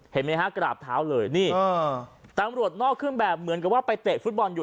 เห็นมั้ยฮะกราบเท้าเลยตำรวจนอกขึ้นแบบเหมือนกับว่าไปเตะฟุตบอลอยู่